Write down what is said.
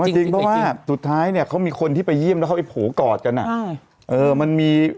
จริงเพราะว่าสุดท้ายเนี่ยเขามีคนที่ไปเยี่ยมแล้วเขาไปโผล่กอดกัน